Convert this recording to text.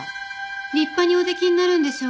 立派におできになるんでしょうね